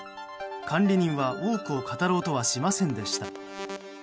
管理人は、多くを語ろうとはしませんでした。